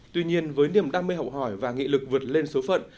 tuy nhiên với niềm đam mê học hỏi và nghị lực vượt lên số phận